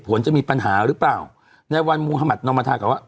เหตุผลจะมีปัญหาหรือเปล่านายวันมุหมาธนอมมาธากับว่า